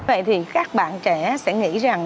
vậy thì các bạn trẻ sẽ nghĩ rằng